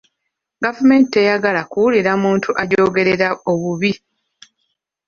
Gavumenti teyagala kuwulira muntu agyogerera obubi.